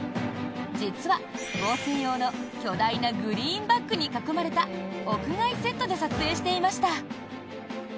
実は合成用の巨大なグリーンバックに囲まれた屋外セットで撮影していました。